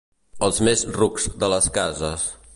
Els més rucs de les cases.